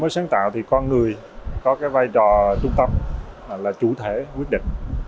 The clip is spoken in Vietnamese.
sáng tạo thì con người có cái vai trò trung tâm là chủ thể quyết định